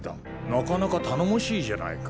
なかなか頼もしいじゃないか。